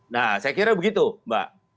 nah saya kira begitu mbak